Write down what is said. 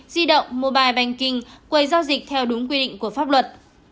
di động mobile banking quầy giao dịch theo đúng quy định của pháp luật